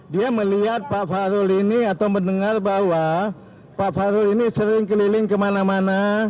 dia melihat pak fahrul ini atau mendengar bahwa pak farul ini sering keliling kemana mana